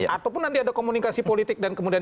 ataupun nanti ada komunikasi politik dan kemudian